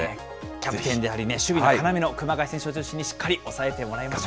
キャプテンでありね、守備の要である熊谷選手を中心にしっかりおさえてもらいましょう。